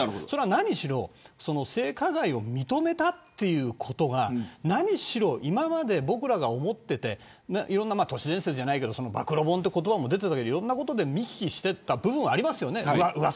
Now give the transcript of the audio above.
何しろ性加害を認めたということが今まで僕らが思っていていろんな都市伝説じゃないけど暴露本って言葉も出てたけどいろんなところで見聞きしてた部分はありますよね。